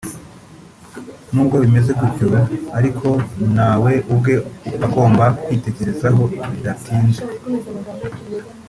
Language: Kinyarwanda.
n’ubwo bimeze gutyo ariko na we ubwe agomba kwitekerezaho bidatinze